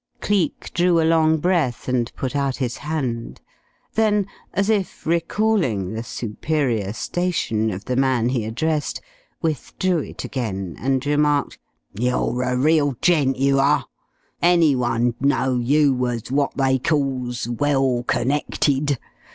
Cleek drew a long breath and put out his hand. Then, as if recalling the superior station of the man he addressed, withdrew it again and remarked: "You're a real gent, you are! Any one'd know you was wot they calls well connected.